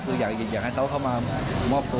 คืออยากให้เขาเข้ามามอบตัว